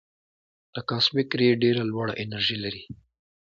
د کاسمک رې ډېره لوړه انرژي لري.